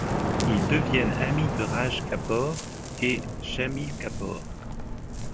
Ils deviennent amis de Raj Kapoor et Shammi Kapoor.